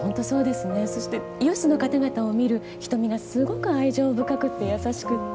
そしてユースの方々を見る瞳がすごく愛情深くて優しくて。